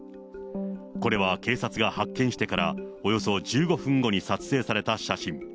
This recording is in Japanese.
これは警察が発見してからおよそ１５分後に撮影された写真。